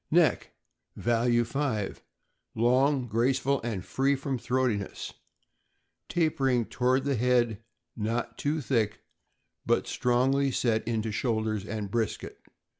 Neck (value 5) long, graceful, and free from throatiness, tapering toward the head; not too thick, but strongly set into shoulders and brisket.